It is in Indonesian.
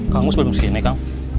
kamu sebelum sini kang